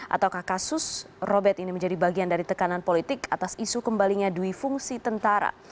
atau kasus robet ini menjadi bagian dari tekanan politik atas isu kembalinya duifungsi tentara